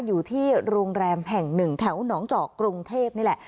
อยู่ที่โรงแรมแห่งหนึ่งแถวหนองเจาะกรุงเทพนี่แหละ